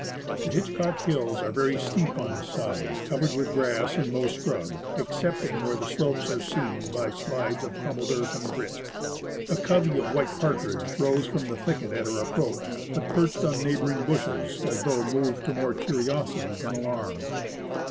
The Hitchcock Hills are very steep on this side, covered with grass and low scrub, excepting where the slopes are CAMP AT THE BASE OF THE HITCHCOCK RANGE. seamed by slides of crumbled earth and grit. A covey of white partridge rose from the thicket at our approach, but perched on neighbouring bushes as though moved to more curiosity than alarm.